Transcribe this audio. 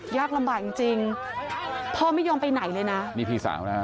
ยากลำบายจริงจริงพ่อไม่ยอมไปไหนเลยนะ